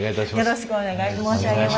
よろしくお願い申し上げます。